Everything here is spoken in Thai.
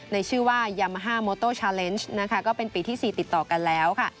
ในชื่อว่ายามาฮาโมโต้ชาเลนจ์เป็นปีที่๔ติดต่อกันแล้ว